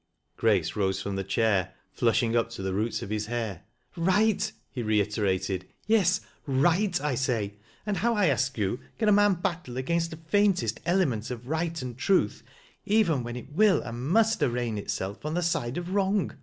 Grace rose from the chair, flushing up to the roots of his hair, —" Right !" he reiterated. " Tes, right I say. And how, I ask you, can a man battle against the faintest element of right and truth, even when it will and inttst arraign itself on the side of wrong.